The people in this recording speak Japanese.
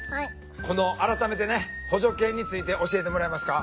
この改めてね補助犬について教えてもらえますか？